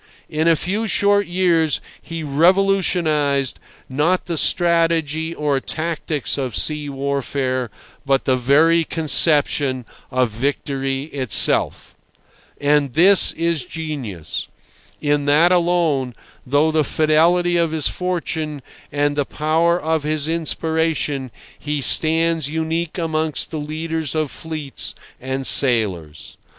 In a few short years he revolutionized, not the strategy or tactics of sea warfare, but the very conception of victory itself. And this is genius. In that alone, through the fidelity of his fortune and the power of his inspiration, he stands unique amongst the leaders of fleets and sailors.